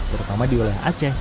terutama di wilayah aceh